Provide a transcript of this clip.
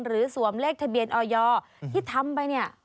หรือสวมเลขทะเบียนออยอร์ที่ทำไป